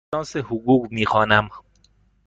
فوق لیسانس حقوق می خوانم.